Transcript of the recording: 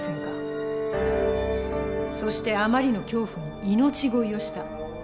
そしてあまりの恐怖に命乞いをした。